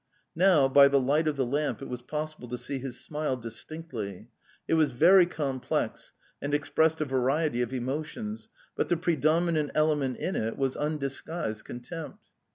Now, by the light of the lamp, it was pos sible to see his smile distinctly; it was very complex, and expressed a variety of emotions, but the pre dominant element in it was undisguised contempt.